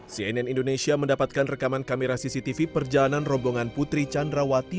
cnn indonesia mendapatkan rekaman kamera cctv perjalanan rombongan putri candrawati